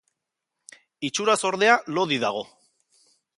Itxuraz, ordea, lodi dago.